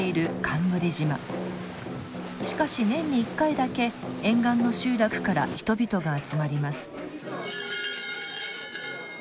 しかし年に１回だけ沿岸の集落から人々が集まります。